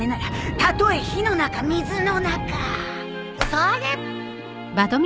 それ！